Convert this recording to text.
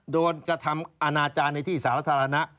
โดนกระทำอาณาจารย์ในที่สาธารณะ